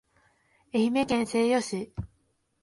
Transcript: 愛媛県西予市